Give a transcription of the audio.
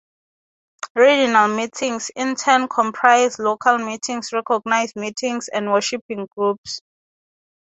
Regional Meetings, in turn, comprise Local Meetings, Recognised Meetings and Worshipping Groups.